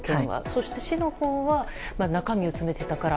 そして市のほうは中身を詰めていたから。